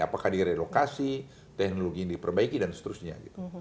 apakah direlokasi teknologi yang diperbaiki dan seterusnya